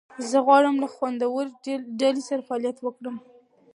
زه غواړم له خوندورې ډلې سره فعالیت وکړم.